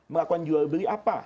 melakukan jual beli apa